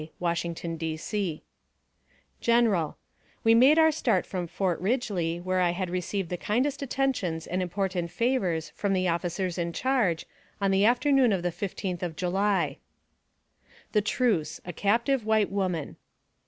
Washington, D. C. GENERAL, :We made onr start from Fort Ridgley, where I had received the kindest attentions and important favors from the officers in charge, on the afternoon of the 15th of July. THE TRUCE A CAPTIVE WHITE WOMAN.